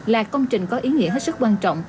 là công trình có ý nghĩa hết sức quan trọng